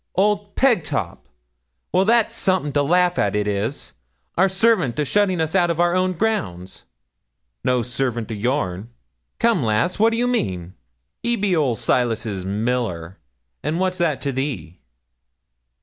'Old Pegtop. Well, that's summat to laugh at, it is our servant a shutting us out of our own grounds.' 'No servant o' yourn!' 'Come, lass, what do you mean?' 'He be old Silas's miller, and what's that to thee?'